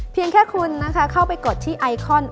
เพียงแค่คุณนะคะเข้าไปกดที่ไอคอน